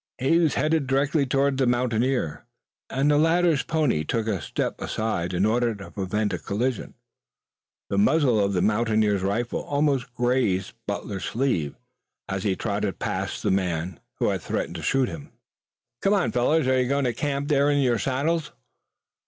He was headed directly towards the mountaineer, and the latter's pony took a step aside in order to prevent a collision. The muzzle of the mountaineer's rifle almost grazed Butler's sleeve as he trotted past the man who had threatened to shoot him. "Come on, fellows. Are you going to camp there in your saddles?"